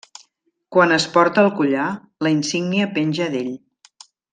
Quan es porta el collar, la insígnia penja d'ell.